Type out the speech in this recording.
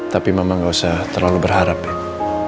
tapi mama gak usah terlalu berharap bek